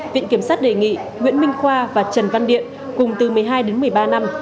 viện kiểm sát đề nghị nguyễn minh khoa và trần văn điện cùng từ một mươi hai đến một mươi ba năm